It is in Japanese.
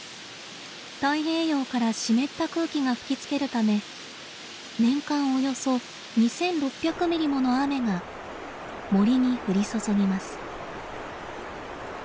太平洋から湿った空気が吹きつけるため年間およそ２，６００ミリもの雨が森に降り注ぎます。